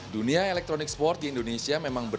dunia elektronik sport di indonesia memang berbeda